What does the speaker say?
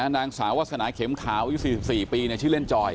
นางสาววาสนาเข็มขาวอายุ๔๔ปีชื่อเล่นจอย